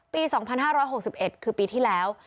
ปี๒๕๖๑คือปีที่แล้ว